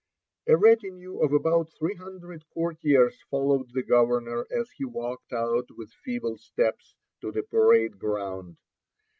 A retinue of about three hundred courtiers followed the governor as he walked out with feeble steps to the parade ground.